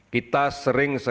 kita sering sekaligus